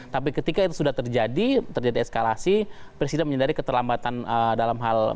tapi ketika itu sudah terjadi terjadi eskalasi presiden menyadari keterlambatan dalam hal ini